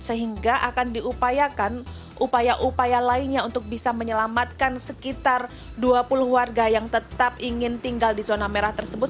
sehingga akan diupayakan upaya upaya lainnya untuk bisa menyelamatkan sekitar dua puluh warga yang tetap ingin tinggal di zona merah tersebut